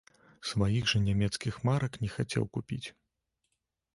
Сваіх жа нямецкіх марак не хацеў купіць.